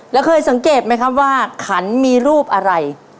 แล้วเคยสังเกตไหมครับว่าขันมีรูปอะไร